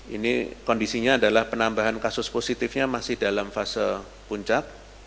ini kondisinya adalah penambahan kasus positifnya masih dalam fase puncak